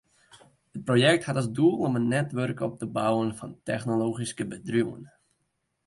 It projekt hat as doel om in netwurk op te bouwen fan technologyske bedriuwen.